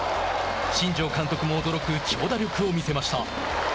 新庄監督も驚く長打力を見せました。